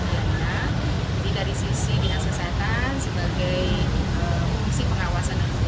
jadi dari sisi dinas kesehatan sebagai fungsi pengawasan dan kebenaran